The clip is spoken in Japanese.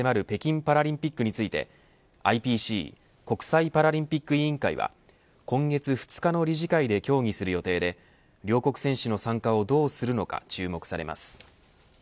北京パラリンピックについてＩＰＣ国際パラリンピック委員会は今月２日の理事会で協議する予定で両国選手の参加をどうするのか注目されます。